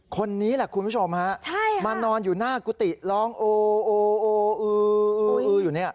คนนี้แหละคุณผู้ชมฮะมานอนอยู่หน้ากุฏิร้องโอโออยู่เนี่ย